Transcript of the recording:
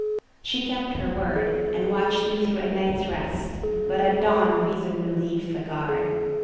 She kept her word, and watched me through a night's rest; but at dawn Reason relieved the guard.